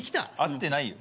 会ってないよ。